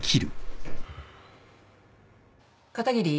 片桐。